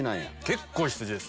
結構羊です。